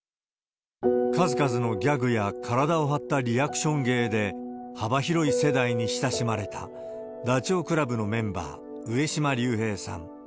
数々のギャグや体を張ったリアクション芸で、幅広い世代に親しまれた、ダチョウ倶楽部のメンバー、上島竜平さん。